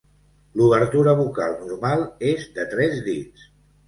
L'obertura bucal normal és de tres dits.